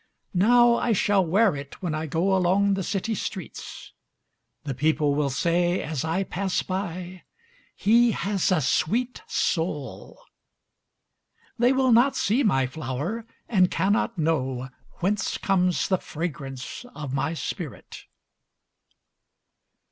Now I shall wear itWhen I goAlong the city streets:The people will sayAs I pass by—"He has a sweet soul!"They will not see my flower, And cannot knowWhence comes the fragrance of my spirit!